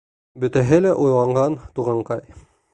Бөтәһе лә уйланған, туғанҡай.